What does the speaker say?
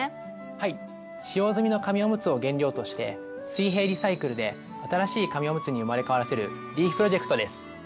はい使用済みの紙おむつを原料として水平リサイクルで新しい紙おむつに生まれ変わらせるＲｅｆＦプロジェクトです。